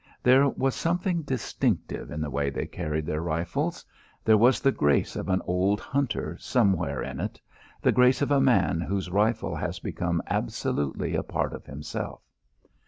There was something distinctive in the way they carried their rifles. There was the grace of an old hunter somewhere in it, the grace of a man whose rifle has become absolutely a part of himself.